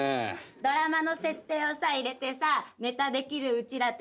ドラマの設定を入れてさネタできるうちらって偉くない？